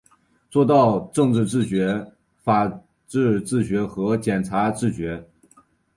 做到政治自觉、法治自觉和检察自觉